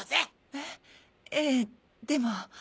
えええでも。